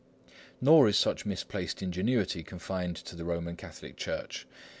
Nor is such misplaced ingenuity confined to the Roman Catholic Church.